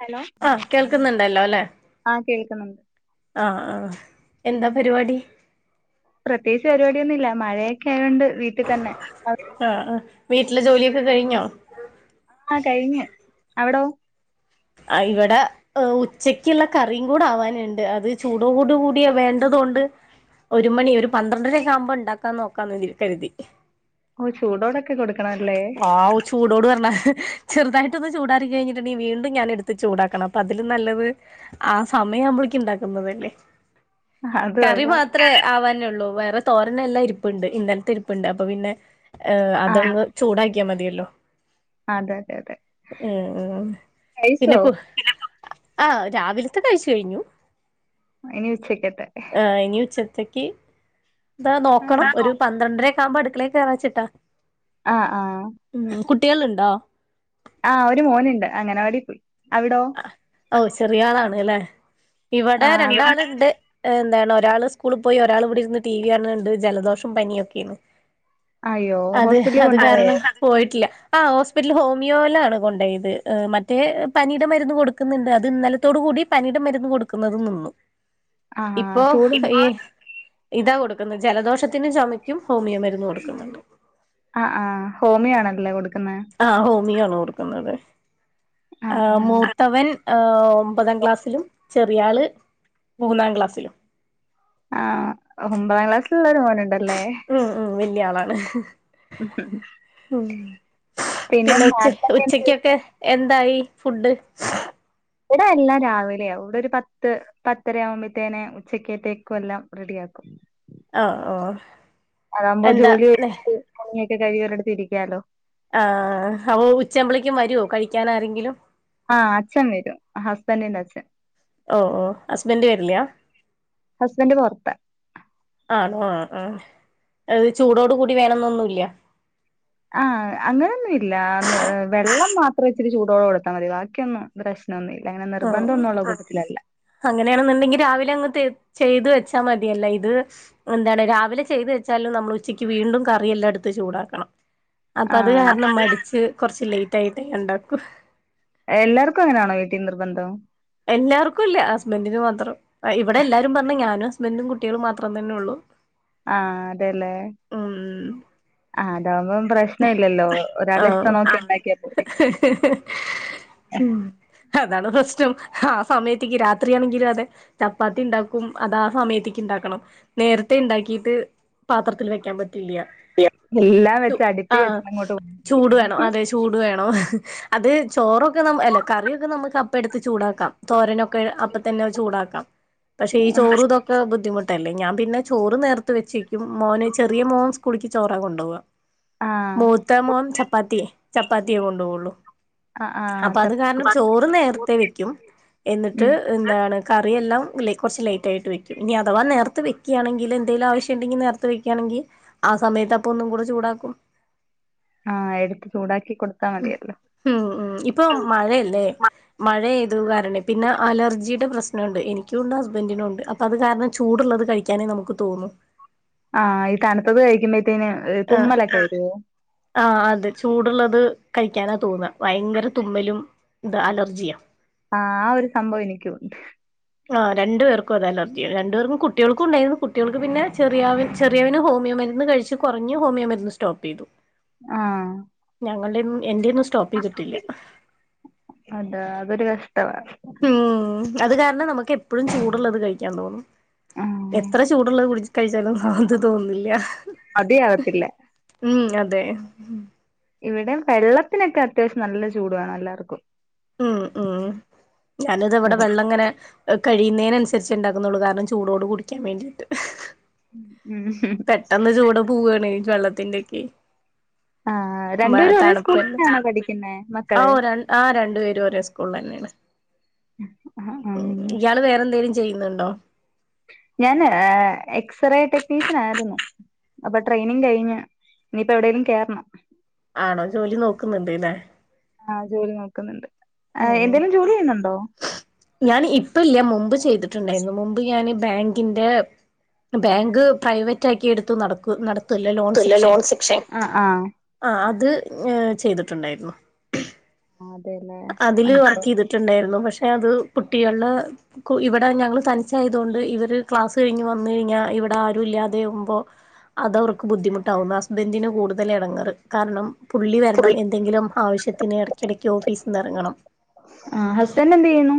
Hello. ആഹ കേൾക്കുന്നുണ്ടല്ലോ അല്ലെ? ആഹ കേൾക്കുന്നുണ്ട്. ആ ആ എന്താ പരിപാടി? പ്രത്യേകിച്ച് പരിപാടിയൊന്നും ഇല്ല മഴയൊക്കെ ആയൊണ്ട് വീട്ടിൽ തന്നെ.. ആ ആ വീട്ടില് ജോലിയൊക്കെ കഴിഞ്ഞോ? ആഹ കഴിഞ്ഞു അവിടോ? ആ ഇവിടെ ഉച്ചക്കുള്ള കറിയും കൂടെ ആവാനുണ്ട് അത് ചൂട്ടോട്ടു കൂടി ക. വേണ്ടത് കൊണ്ട് ഒരു മണി ഒരു പന്ത്രണ്ടര ആകുമ്പോ ഉണ്ടാക്കാന്ന് നോക്കാന്ന് കരുതി ഓ ചൂടോടൊക്കെ കൊടുക്കണല്ലേ? ആവൂ ചുടോട് പറഞ്ഞ ചെറുത് ആയിട്ട് ഒന്ന് ചൂടറി കഴിഞ്ഞിട്ട് ഉണ്ടെങ്കിൽ വീണ്ടും ഞാൻ എടുത്ത് ചൂടാക്കണം അപ്പോ അതിലും നല്ലത് ആ സമയം ആവുപോക് ഉണ്ടാക്കുന്നുന്നത് അല്ലെ അത് കറി കൊള്ളാം മാത്രേ ആവാനേ ഉള്ളൂ വേറെ തോരന് എല്ലാം ഇരിപ്പ്ണ്ട് ഇന്നലത്തെ ഇരിപ്പ്ണ്ട് അപ്പോൾപിന്നെ ആഹ് അതങ്ങ് ചൂടാക്കിയാൽ മതിയല്ലോ. അതെ അതെ അതെ ഉം ഉം പിന്നെ കഴിച്ചോ കു ആഹ രാവിലത്തെ കഴിച്ച് കഴിഞ്ഞു. ഇനി ഉച്ചക്കത്തെ. ആ ഇനി ഉച്ചത്തേക്ക്. ന്താ നോക്കണം ഒരു പന്ത്രണ്ടരക്കെ ആകുമ്പോ അടുക്കളേക് കേയറാ ചിട്ടാ. ആഹ് ആഹ് ഉം കുട്ടികൾണ്ടോ ആഹ് ഒരു മോന്ണ്ട് അങ്ങനവാടി പോയി അവ്ടോ ഓ ചെറിയ ആളാണ് ല്ലേ ഇവടെ ആഹ് അവിടെ രണ്ടാള്ണ്ട് എന്താണ് ഒരാള് സ്കൂളിൽ പോയി ഒരാസ് ഇവ്ടെ ഇരുന്ന് ടി വി ആണ് ണ്ട് ജലദോഷം പനിയ ഒക്കെയാണ് അയ്യോ അത് ഹോസ്പിറ്റലിൽ അത് കൊണ്ടുപോയോ കാരണം പോയിട്ടില്ല ആഹ് ഹോസ്പിറ്റൽ ഹോമിയോലണ് കൊണ്ട് പോയത് മറ്റേ പനി പനീടെ മരുന്ന് കൊടുക്കുന്നുണ്ട് അത് ഇന്നലത്തോട കൂടി പനിയുടെ മരുന്ന് കൊടുക്കുന്നത് നിന്നു ആഹ് ഇപ്പൊ ചൂടുണ്ട് ഈഹ് ഇതാ കൊടുക്കുന്നത് ജലദോഷത്തിന് ചുമയ്ക്കും ഹോമിയോ മരുന്ന് കൊടുക്കുന്നുണ്ട് ആഹ് ആഹ് ഹോമിയണല്ലേ കൊടുക്കുന്ന ആഹ് ഹോമിയാണ് കൊട്ക്കുന്ന ഇവിടെ ആഹ് മൂത്തവൻ ഒമ്പതാം ക്ലാസ്സിലും ചെറിയള് മൂന്നാം ക്ലാസ്സിലും ആഹ് ഒമ്പതാം ക്ലാസ്സിലള്ളരു മോൻണ്ടല്ലേ ഉം ഉം വല്യ ആളാണ് പിന്നെ ഉം ഉച്ച ഉച്ചക്കൊക്കെ എന്തായി ഫുഡ് ഇവിടെ എല്ലാം രാവിലെയ ഇവിടെ ഒരു പത്ത് പത്തര ആവുമ്പോത്തേന ഉച്ചക്കത്തേക്കും എല്ലാം റെഡി ആക്കും ആഹ് ഓഹ് അതാകുമ്പോ എന്താ ജോലി പണിയൊക്കെ കഴിഞ്ഞോരിടത്തു ഇരിക്കലോ ആഹ് അപ്പൊ ഉച്ചമ്പളേക്കും വരുവോ കഴിക്കൻ ആരെങ്കിലും ആഹ് അച്ഛൻ വരും ഹസ്ബന്റിന്റെ അച്ഛൻ ഓ ഓ ഹസ്ബൻഡ് വരില്ല ഹസ്ബൻഡ് പുറത്താ ആണോ ആഹ് ആഹ് അത് ചൂടോട് കൂടി വേണം എന്നൊന്നുമില്ല ആഹ് അങ്ങനൊന്നും ഇല്ല വെള്ളം മാത്രേ ഇച്ചിരി ചൂടോള്ളം കൊടുത്താൽ മതി ബാക്കിയൊന്നും [unintelligible] ഒന്നുമില്ല അങ്ങനെ നിർബന്ധ ആഹ് ഒന്നുള്ള കൂട്ടത്തിലല്ല അങ്ങനെയാണെന്നുണ്ടെങ്കിൽ രാവിലെ അങ്ങ് ചെയ്തു വെച്ചാ മതിയല്ല ഇത് എന്താണ് രാവിലെ ചെയ്തു വെച്ചാലും നമ്മൾ ഉച്ചയ്ക്ക് വീണ്ടും കറിയെല്ലാം എടുത്ത് ചൂടാക്കണം. അപ്പൊ അത് ആ കാരണം മടിച്ച് കൊറച്ച് ലേറ്റ് ആയിട്ട് ഉണ്ടാക്കും എല്ലാർക്കും അങ്ങനാണോ വീട്ടീ നിർബന്ധം എല്ലാർക്കും ഇല്ല ഹുസ്ബൻഡിന് മാത്രം. ഇവിടെ എല്ലാരും പറഞ്ഞ ഞാനും ഹസ്ബൻറും കുട്ടികളും മാത്രം തന്നെ ഉള്ളൂ ആഹ് അതെല്ലേ ഉം ആഹ് അതാകുമ്പോ പ്രശ്നമില്ലല്ലോ, ഒരാളുടെ ഇഷ്ട ആഹ് നോക്കി ഉണ്ടാക്കിയാ പോര്. ഉം അതാണ് പ്രശ്നം. ആ സമയത്തേക്ക് രാത്രിയാണെങ്കിലും അത് ചപ്പാത്തി ഉണ്ടാക്കും അതാ സമയത്തേക്ക് ഉണ്ടാക്കണം നേരത്തെ ഉണ്ടാക്കിട്ട് പാത്രത്തിൽ വെക്കാൻ പറ്റില്ല എല്ലാം ചു വെച്ച അടുപ്പി ആഹ് വെച്ചങ്ങോട്ട് ചൂട് വേണം അതെ ചൂട് വേണോ അത് ചോറൊക്കെ നാം അല്ല കറിയൊക്കെ നമുക്ക് അപ്പ എടുത്ത് ചൂടാക്കാം. തോരനൊക്കെ അപ്പ തന്നെ ചൂടാക്കാം പക്ഷെ ഈ ചോറു ഇതൊക്കെ ഒക്കെ ബുദ്ധിമുട്ടല്ലേ ഞാൻ പിന്നെ ചോറ് നേർത്ത് വെച്ചേക്കും മോന് ചെറിയ മോൻ സ്കുളിക്ക് ചോറാ കൊണ്ടുപോകുക [inaudible] മൂത്തമോൻ ചപ്പാത്തിയെ ചപ്പാത്തിയേ കൊണ്ടുപോവുള്ളു ആഹ് ആഹ് അപ്പൊ അത് കാരണം ചപ്പാത്തി ചോറ് നേരത്തെ വെക്കും എന്നിട്ട് ഉം എന്താണ് കറിയെല്ലാം കുറച്ച് ലൈറ്റ് ആയിട്ട് വെക്കും ഇനി അഥവാ നേരത്ത് വെക്കും വുകയാണെങ്കിൽ എന്തെങ്കും ആവശ്യം ഉണ്ടെങ്കിൽ നേരത്ത് വക്കയാണെങ്കിൽ ആ സമയത്ത് അപ്പൊ ഒന്നും കൂടെ ചൂടാക്കും ആഹ് എടുത്ത് ചൂടാക്കി കൊടുത്താ മതിയല്ലോ ഉം ഉം ഇപ്പൊ മഴയല്ലേ മഴെയ്തു കാരണം പിന്നെ അലർജിയുടെ പ്രശ്നമുണ്ട് എനിക്കുണ്ട് ഹസ്ബൻ്റിനും ഉണ്ട് അത് കാരണം ചൂടുള്ളത് കഴിക്കാനേ നമുക്ക് തോന്നും ആഹ് ഈ തണുത്തത് കഴിക്കുമ്പോഴത്തേന് ആഹ് തുമ്മലൊക്കെ വരുവോ? ആഹ് അത് ചൂടുള്ളത് കഴിക്കാനാ തോന്ന ഭയങ്കര തുമ്മലും ഇത് അലർജിയാ ആ ഒരു സംഭവം എനിക്കു ഉണ്ട് ആഹ് രണ്ടു പേർക്കു ഒരു അലർജിയാണ്. രണ്ടു പേർക്കും കുട്ട്യേൾക്കും ഉണ്ടായിരുന്നു കുട്ട്യാൾക്ക് പിന്നെ ചെറിയാവൻ ചെറിയവന് ഹോമിയോമരുന്ന് കഴിച് ച്ച് കൊറഞ്ഞു ഹോമിയോമരുന്ന് സ്റ്റോപ്പ് ചെയ് ആഹ് ഞങ്ങളടെന്നും എന്റെന്നും സ് സ്റ്റോപ്പ്‌ ചെയ്തിട്ടില്ല. അതാ അതൊരു കഷ്ടവാ ഉം അത് കാരണം നമുക്ക് എപ്പോഴും ചൂടുള്ളത് കഴിക്കാൻ തോന്നും ആഹ് എത്ര ചൂടുള്ളത് കുട കഴിച്ചാലും ആത് തോന്നില്ല മതിയാവത്തില്ല ഉം അതെ ഇവിടെ വെള്ളത്തിനൊക്കെ അത്യാവശ്യം നല്ല ചൂടുവാണം എല്ലാർക്കും ഉം ഉം ഞാനിതാ ഇവിടെ വെള്ളം ഇങ്ങനെ അഹ് കഴിയുന്നെന് നനുസരിച്ച് ഉണ്ടാക്കുന്നുള്ളൂ കാരണം ചൂടോട് കുടിക്കാൻ വേണ്ടിയിട്ട് മ് ട്ടെന്ന് ചൂട് പോവാണേ വെള്ളത്തിന്റെക്കെ ആഹ് രണ്ടുപേരും ഒരേ സ്കൂളിലന്നാണോ പഠിക്കുന്നേ മക്കള് ആഹ് രണ്ടു പേരും ഒരേ സ്കൂളില ന്നെയാണ് ആഹ് ആഹ് ഇയാള് വേറെന്തെലും ചെയ്യുന്നുണ്ടോ ഞാന് എക്സ്റേ ടെക്നീഷ്യനാ യിരുന്നു അപ്പൊ ട്രെനിങ് കഴിഞ്ഞ് ഇനിയിപ്പോ എവിടെലും കേറണം ആണോ ജോലി നോക്കുന്നുണ്ട് ല്ലേ ആഹ് ജോലി നോക്കുന്നുണ്ട് എന്തേലും ജോലി ചെയ്യുന്നുണ്ടോ ഞാന് ഇപ്പ ല്ല മുമ്പ് ചെയ്തിട്ടുണ്ടായിരുന്നു മുമ്പ് ഞാന് ബാങ്കിന്റെ ബാങ്ക് പ്രൈവറ്റ്ആക്കി എടുത്തു നടക്കു നട തുലേ ലോൺ സെക്ഷൻ ആ ആ ആഹ് അത് ചെയ്തിട്ടുണ്ടായിരുന്നു അതെല്ലെ അതില് വർക്ക് ചെയ്തിട്ടുണ്ടായിരുന്നു പക്ഷെ അത് കുട്ടികള് ഇവിടെ ഞങ്ങൾ തനിച്ചായതുകൊണ്ട് ഇവര് ക്ലാസ് കഴിഞ് വന്നു കഴിഞ്ഞാ ഇവിടെ ആരും ഇല്ലാതെ കുമ്പോ അത് അവർക്ക് ബുദ്ധിമുട്ടാവും ഹസ്ബന്റിനു കൂടുതൽ എടങ്ങേറ് കാരണം പുള്ളി ഇപ്പൊ വരണം എന്തെങ്കിലും ആവശ്യത്തിന് ഇടക്കിടക്ക് ഓഫീസിന്ന് ഇറങ്ങണം ആഹ് ഹസ്ബൻഡ് എന്ത്ചെയ്യുന്നു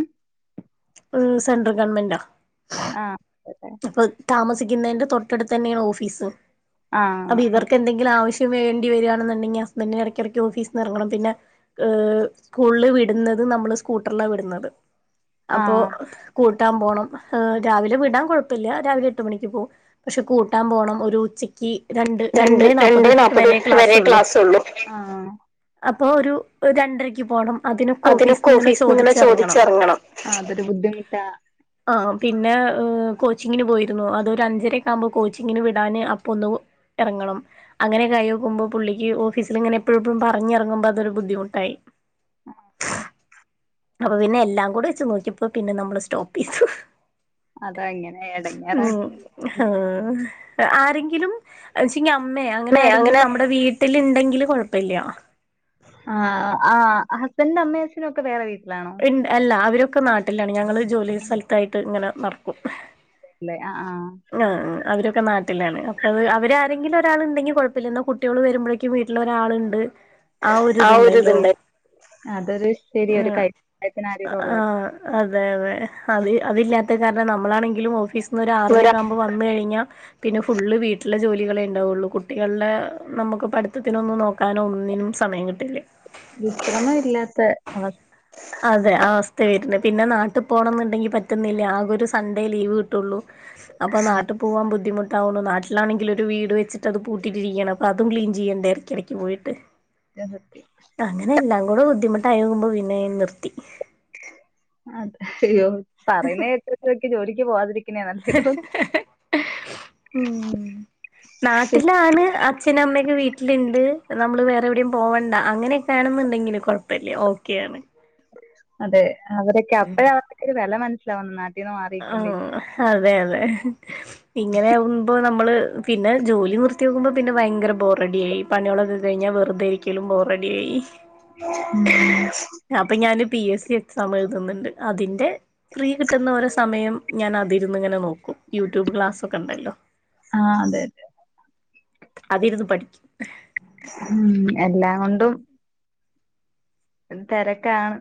സെൻട്രൽ ഗവൺമെന്റാ ആഹ് അതെ അപ്പൊ താമസിക്കുന്നേന്റെ തൊട്ടടുത്ത് തന്നെയാണ് ഓഫീസ് ആഹ് അപ്പൊ ഇവർക്ക് എന്തെങ്കി ങ്കിലും ആവശ്യം വേണ്ടി വാരാണെന്ന്ണ്ടെങ്കി ഹസ്ബന്റ് ന് ഇടക്കിടക്ക് ഒഫീസ് ന്ന് റങ്ങണം പിന്നെ ഏഹ് സ്കൂള് വിടുന്നത് നമ്മള് സ്കൂട്ടർലാ വിടുന്നത് അപ്പോ ആഹ് അതെ കൂട്ടാ പോണം രാവിലെ വിടാൻ കുഴപ്പല്ല രാവിലെ എട്ട് മണിക്ക് പോവും പക്ഷെ കൂട്ടാ പോണം ഒരു ഉച്ച ക്കി രണ്ട് രണ്ടെ നാപ്പത് വരെ ക്ലാസ് ഒള്ളു അപ്പോ ഒരു രണ്ടരക്ക് പോ ണം അതിനൊക്കെ ഓഫീസിന്ന് ഇങ്ങനെ ചോദിച്ചറങ്ങണം അതൊരു ബുദ്ധിമുട്ടാ ആഹ് പിന്നെ കോച്ചിങ്ങിന് പോയിരുന്നു അതൊര് അഞ്ചരക്കെ ആകുമ്പോ കോച്ചിങ്ങിന് വിടാന് അപ്പ ഒന്ന് എറങ്ങണം അങ്ങനെ ഒക്കെ ആയോക്കുമ്പോ പുള്ളിക്ക് ഓഫീസില് ഇങ്ങന എപ്പഴും പ്പഴും പറഞ്ഞിറങ്ങുമ്പോ അതെര് ബുദ്ധിമുട്ടായി ആഹ് അപ്പൊ പിന്നെ എല്ലാം കൂടെ വച്ച് നോക്കിയപ്പോ പിന്നെ നമ്മള് സ്റ്റോപ്പ് ചെയ്തു അതാ ഇങ്ങനെ ഉം എടങ്ങേറാക്കി ആഹ് ആരെങ്കിലും ച്ചെങ്കി അമ്മേ അങ്ങനെ ആരെങ്കിലും നമ്മുടെ വീട്ടില് ഇണ്ടെങ്കില് കുഴപ്പല്ല ആ ആ ഹസ്ബന്റിന്റെ അമ്മേ അച്ഛനും ഒക്കെ വേറെ വീട്ടിലാണോ അല്ല അവരൊക്കെ നാട്ടിലാണ് ഞങ്ങള് ജോലി സ്ഥലത്തായിട്ട് ഇങ്ങനെ നടക്കും ല്ലേ ആ ആഹ് ആ ആ അവരൊക്കെ നാട്ടിലാണ് അപ്പ അത് അവരാരെങ്കില് ഒരാള് ണ്ടെങ്കി കുഴപ്പല്ല ഇന്നാ കുട്ടിയോള് വരുമ്പ യ്ക്കും വീട്ടില് ഒരാള്ണ്ട് ആ ഒരു ഒര്ത്ണ്ടല്ലോ ഇതുണ്ട് അതൊരു ശരി ഉം ഒരു ആ ആ കഴിവില്ലായ്മ അതെ അതെ അത് അതില്ലാത്ത കാരണം നമ്മളാണെങ്കിലും ഓഫീസിന്ന് ഒര് ആറര കുമ്പേ വന്ന് കഴിഞ്ഞാ പിന്നെ ഫുള്ള് വീട്ട്ലെ ജോലികളെ ണ്ടാവുള്ളു കുട്ടികൾടെ നമക്ക് പട്ത്തത്തിനൊന്ന നോ കാനൊന്നിനും സമയം കിട്ടില്ല. വിശ്രമ ഇല്ലാത്ത അവസ് അതെ ആ അവസ്ഥെ വരുന്നു പിന്നെ നാട്ട് പോണന്നുണ്ടെങ്കി പറ്റുന്നില്ല, ആകരു സൺഡേ ലീവ് കിട്ടുള്ളൂ. അപ്പ നാട്ടു പോവാൻ ബുദ്ധിമുട്ട്- താവൊള്ളൂ നാട്ടിലാണെങ്കിലൊരു വീട് വച്ചിട്ടത് പൂട്ടിട്ടിരിക്കണ പതും ക്ലീൻ ചെയ്യണ്ടേ എടക്കിടക്ക് പോയിട്ട്. [unintelligible] സത്യ. അങ്ങനെ എല്ലാം കൂടെ ബുദ്ധിമുട്ടായകുമ്പോ പിന്നെ നിർത്തി. അതെ യ്യോ പറയുന്ന കേട്ടിട്ടിൻക് ജോലിക്ക് പോവാതിരിക്- ഉം. നാട്ടിലാണ് അച്ഛനും അമ്മൊക്കെ വീട്ടില്ണ്ട്, നമ്മള് വേറെവിടിം പോവണ്ട അങ്ങനെ. വേണെന്നുണ്ടെങ്കില് കൊഴപ്പില്ല ഓക്കെയണ്. അതെ അവരൊക്കെ അപ്പഴ [unintelligible] ക്കെരു വെല മനസ്സിലാവുന്ന നാട്ടീന്ന് മാറി ആഹ് അതെ അതെ. ഇങ്ങനെ ആകുമ്പോ നമ്മള് പിന്നെ ജോലി വിർത്ത്യോക്കുമ്പോ പിന്നെ ഭയങ്കര ബോറഡിയായി. പണ്യളൊക്ക കഴിഞ്ഞാ വെറുതെരിക്കലും ബോറഡിയായി. ഉം. അപ്പഞാന് പി എസ് സി എക്സാം എഴുതുന്നുണ്ട്, അതിന്റെ ഫ്രീ കിട്ടുന്ന ഓരോ സമയം ഞാനതിര്ന്ന് ങ്ങനെ നോക്കും, യൂട്യൂബ് ക്ലാസ്സക്കെ ണ്ടല്ലോ. ആഹ് അതെതെ. അതിരുന്ന് പഠിക്കു. ഉം എല്ലാ കൊണ്ടും. തെരക്കാണ്.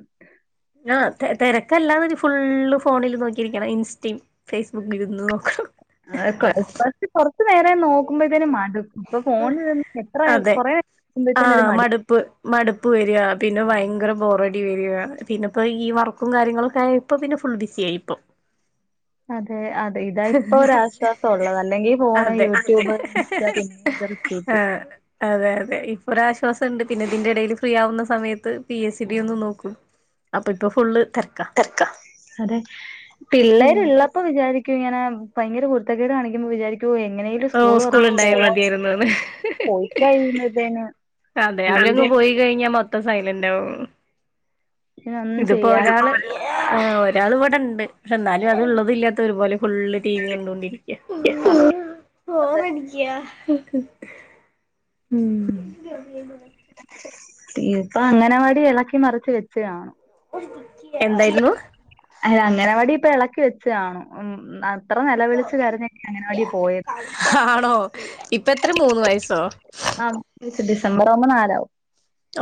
ആഹ് തെ തെരക്കല്ലാന്ന് ണ്ട ഫുള്ള് ഫോണിൽ നോക്കിയിരിക്കണം ഇൻസ്റ്റി. ഫേസ്ബുക്കിൽരുന്ന് നോക്കണം. അവ് [unintelligible] കൊർച് നേരെ നോക്കുമ്പഴത്തിനും മടു പ്പൊ ഫോണിൽ നിന്ന് എത്ര കൊറെ [unintelligible] ച്ച ഒരു മടി. പ് മടുപ്പ് വര്യാ പിന്നെ വയങ്കര ബോറടി വര്യ പിന്നെ പ്പോ ഈ വർക്കും കാര്യങ്ങളൊക്കെ ആയി പ്പോൾപിന്നെ ഫുൾ ബിസി ആയി പ്പം. അതെ അതെ ഇതാ ഇപ്പൊ ഒരാശ്വാസം ഉള്ളത് അല്ലെങ്കി ഫോണ് അതെ യൂട്യൂബ്. [unintelligible] [unintelligible] ആഹ് അതെ അതെ ഇപ്പൊരാശ്വാസണ്ട് പിന്നെ ഇതിന്റെ ടേല് ഫ്രീ ആവുന്ന സമയത്ത് പി എസ് ഡി ഒന്നു നോക്കും. അപ്പം ഇപ്പ ഫുള്ള് തെര്- തെര്ക്ക അതെ ഉം പിള്ളേരുള്ള- പ്പ വിചാരിക്കുങ്ങനെ ഭയങ്കര കുര്ത്തക്കേട് കാണിക്കുമ്പോ വിചാരിക്കോ എങ്ങനെയ ട് ഓ സ്കൂൾ ഉണ്ടായാൽ [unintelligible] പോവാ മതിയായിരുന്നുന്ന് പോയിക്കഴി നത്തേന്. അതെ അവരങ്ങ് പോയി കഴിഞ്ഞാ മൊത്തം സൈലൻ്റാവും. ഒന്നും ഇത്പ്പോ ചെയ്യാനും ഒരാള്. ആഹ് ഒരാൾ വടണ്ട് ക്ഷെ ന്നാലും അത്ള്ളത് ല്ലാത്ത ഒരുപോലെ- ഫുള്ള് ടി വി കണ്ടൊണ്ടിരിക്ക അതെ ബോറടിക്ക്യ. ഉം. ട്ടീ പ്പ അങ്ങനവാടി ഇളക്കി മറിച്ച് വെച്ചാകാണ- എന്തയ്രുന്നു? അല അങ്ങനവാടി പ്പ ഇളക്കി വെച്ച കാണും, ഉം അത്ര നെലവിളിച്ച് കരഞ്ഞ അങ്ങനവാടി പോയത്. ഹാണോ? ഇപ്പത്ര മൂന്ന് വയസ്സോ? ആ ഡിസ ഡിസംബറാവുമ്പൊ നാലാവും.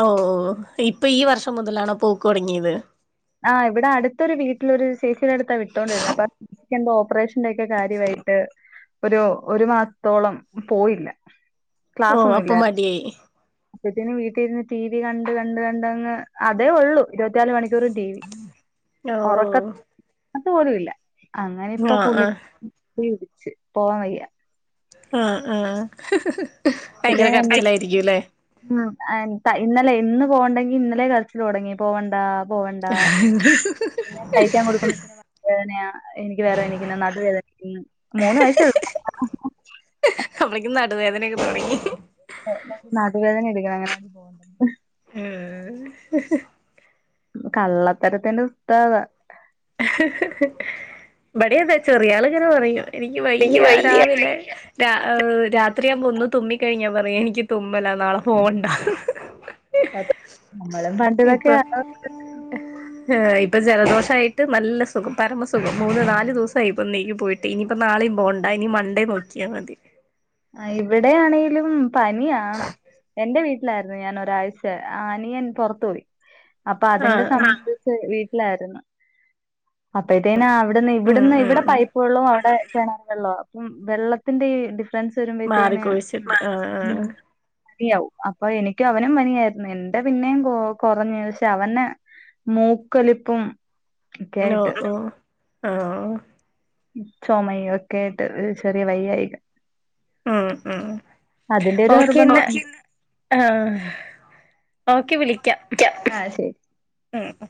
ഓഹ് ഇപ്പ ഈ വർഷം മുതലാണോ പോക്കൊട്ങ്ങ്യത്? ആഹ് ഇവിടാ അടുത്തൊരു വീട്ടിലൊരു ചേച്ചിടട്ത്താ വിട്ടോണ്ടിരുന്നേ അപ്പ കെന്തോ ഓപ്പറേഷന്റെ ക്കെ കാര്യവായിട്ട്. ഒരു ഒരു മാസ്ത്തോളം പോയില്ല. ഓ ക്ലാസ്സ് അപ്പൊ ഒന്നുംമില്ലായിരുന്നു മടിയായി അപ്പത്തേനും വീട്ടിൽ ഇരുന്ന് ടി വി കണ്ട് കണ്ട് കണ്ടങ്ങ് അതേ ഉള്ളു ഇരുപത്തിനാലു മണിക്കൂറും ടി വി ഓ ഉറക്കത്തു പോലും ഇല്ല അങ്ങനെ ഇപ്പൊ ആഹ് പുള്ളി ആഹ് [unintelligible] പിടിച്ചു പോവാൻ വയ്യ ആഹ് ആഹ് ഭയങ്കര കെട്ടിയോനെന്തി കരച്ചിലായിരിക്കും അല്ലേ ഉംഹ് ഇന്നലെ ഇന്ന് പോവണ്ടെങ്കി ഇന്നലേ റെസ്റ്റ് തുടങ്ങി പോവണ്ടാ പോവണ്ടാ പിന്നെ കഴിക്കാൻ കൊടു വേദനയാ എനിക്ക് വേറെ എണീക്കണം നടുവേദനിക്കും മൂന്ന് വയസേയുള്ളു അപ്പോത്തേക്കും നടുവേദനയൊക്കെ തുടങ്ങി നടുവേദന എടുക്കണ് അങ്ങനാണെ പോവണ്ട മ്ഹ് കള്ളത്തരത്തിന്റെ ഉസ്താദാ ഇബടേം അതെ ചെറിയാളിങ്ങനെ പറയും എനിക്ക് വയ്യാ രാവിലെ രാത്രിയാവുമ്പൊ ഒന്ന് തുമ്മിക്കഴിഞ്ഞാൽ പറയും എനിക്ക് തുമ്മലാ നാളെ പോകണ്ടാ നമ്മളും പണ്ട് ഇപ്പൊ ഇതൊക്കെയാ [unintelligible] [unintelligible] ഇപ്പൊ ജലദോഷം ആയിട്ട് നല്ല സുഖം പരമസുഖം മൂന്ന് നാല് ദിവസമായി ഇപ്പൊ [unintelligible] പോയിട്ട് ഇനിയിപ്പൊ നാളെയും പോവണ്ട ഇനി മണ്ടേ നോക്കിയാൽ മതി ആ ഇവിടെയാണേലും പനിയാണ് എന്റെ വീട്ടി ലായിരുന്നു ഞാൻ ഒരാഴ്ച അനിയൻ പുറത്തു പോയി അപ്പൊ അതിന്റെ സ ആഹ് വീട്ടിലായിരുന്നു. അപ്പോഴത്തേന് അവിടുന്ന് ഉം ഇവിടുന്ന് ഉം ഇവിടെ ഉം പൈപ്പ് വെള്ളവും അവിടെ കിണ വെള്ളവാ അപ്പം വെള്ളത്തിന്റെ ഈ ഡിഫറൻസ് വരുമ്പോഴത്തേന് ആഹ് നിയാവും അപ്പൊ എനിക്കും അവനും പനിയായിരുന്നു എന്റെ പിന്നെയും കൊ കൊറഞ്ഞു പക്ഷെ അവന് മൂക്കൊലിപ്പും ഒക്കെ ഓഹ് ആയിട്ട് ഓഹ് ആഹ് ചുമ ഒക്കെയായിട്ട് ചെറിയ വയ്യായിക ഉംഹ് ഉംഹ് അതിന്റെ ഒരു നിർബന്ധം. ഓക്കെയെന്നാ ആഹ് ഓക്കെ വിളിക്കാം ആ ശരി. ഉംഹ്